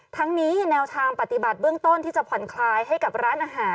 ทั้งนี้แนวทางปฏิบัติเบื้องต้นที่จะผ่อนคลายให้กับร้านอาหาร